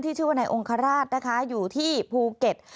ที่ชื่อวันไหนองคาราชนะคะอยู่ที่ภูเก็ต